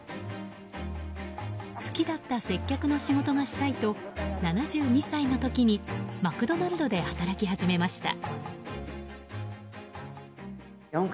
好きだった接客の仕事がしたいと７２歳の時にマクドナルドで働き始めました。